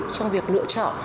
trong việc lựa chọn